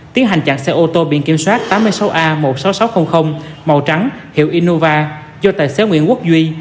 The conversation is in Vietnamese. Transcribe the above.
tiến hành chặn xe ô tô biển kiểm soát tám mươi sáu a một mươi sáu nghìn sáu trăm linh màu trắng hiệu innova do tài xế nguyễn quốc duy